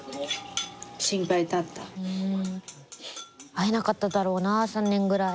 会えなかっただろうな３年ぐらい。